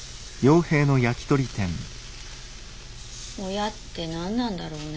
親って何なんだろうね。